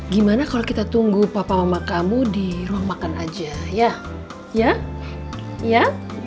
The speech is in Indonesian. gimana kalau kita tunggu papa mama kamu di rumah makan aja ya ya